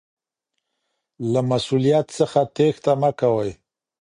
له مسؤلیت څخه تیښته مه کوئ.